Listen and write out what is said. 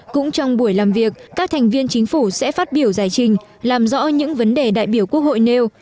cũng trong buổi làm việc các thành viên chính phủ sẽ phát biểu giải trình làm rõ những vấn đề đại biểu quốc hội nêu